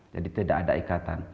jadi tidak ada ikatan